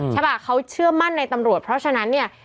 ใช่ป่ะเขาเชื่อมั่นในตำรวจเพราะฉะนั้นเนี่ย